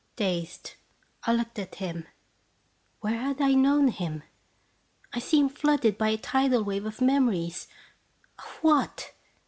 Dazed, I looked at him. Where had I known him? I seemed flooded by a tidal wave of memories of what?